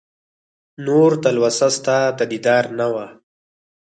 نور تلوسه ستا د دیدار نه وه